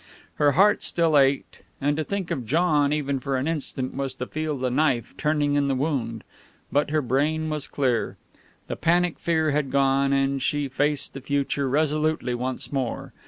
Her heart still ached, and to think of John even for an instant was to feel the knife turning in the wound, but her brain was clear; the panic fear had gone, and she faced the future resolutely once more.